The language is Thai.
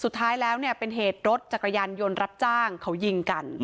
สุดท้ายแล้วเนี่ยเป็นเหตุรถจักรยานยนต์รับจ้างเขายิงกัน